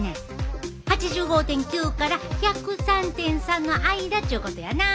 ８５．９から１０３．３の間っちゅうことやな。